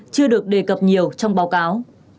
chưa được đề cập nhiều trong báo cáo